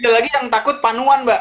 ada lagi yang takut panduan mbak